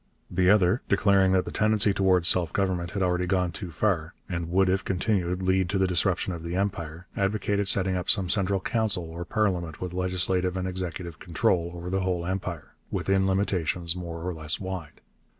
The other, declaring that the tendency towards self government had already gone too far and would if continued lead to the disruption of the Empire, advocated setting up some central council or parliament with legislative and executive control over the whole Empire, within limitations more or less wide.